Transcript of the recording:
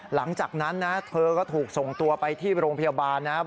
หลังจากนั้นนะเธอก็ถูกส่งตัวไปที่โรงพยาบาลนะครับ